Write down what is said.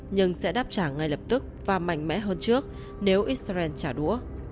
nhưng sẽ đáp trả ngay lập tức và mạnh mẽ hơn trước nếu israel trả đũa